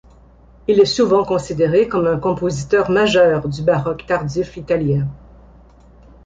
Il est souvent considéré comme un compositeur majeur du baroque tardif italien.